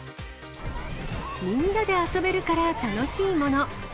みんなで遊べるから楽しいもの。